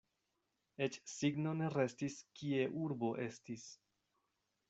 Eĉ signo ne restis, kie urbo estis.